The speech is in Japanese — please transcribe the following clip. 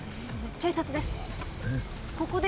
警察です。